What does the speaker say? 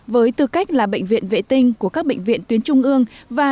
với tư cách là bệnh viện vệ tinh của các bệnh viện tuyến trung ương